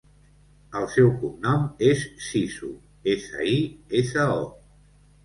El seu cognom és Siso: essa, i, essa, o.